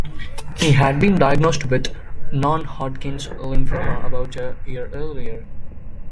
He had been diagnosed with non-Hodgkin's lymphoma about a year earlier.